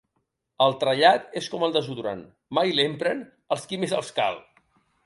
El trellat és com el desodorant, mai l'empren els qui més els cal.